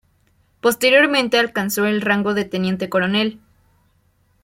Posteriormente alcanzó el rango de teniente coronel.